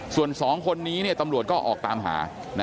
ส่วน๒คนนี้ตำรวจก็ออกตามหา